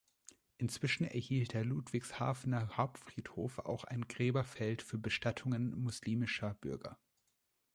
Inzwischen erhielt der Ludwigshafener Hauptfriedhof auch ein Gräberfeld für Bestattungen muslimischer Bürger.